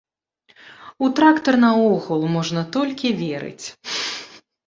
У трактар наогул можна толькі верыць.